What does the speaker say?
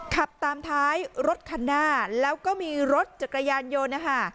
ขับตามท้ายรถคันหน้าแล้วก็มีรถจักรยานยนต์นะคะ